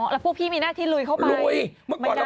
แล้วผู้พี่มีหน้าที่ลุยเข้าไปมันน่าเชื่อเลยลุย